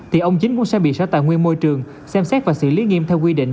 thì ông chính cũng sẽ bị sở tài nguyên môi trường xem xét và xử lý nghiêm theo quy định